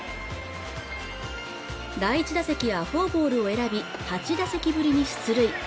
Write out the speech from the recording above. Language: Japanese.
第１打席はフォアボールを選び８打席ぶりに出塁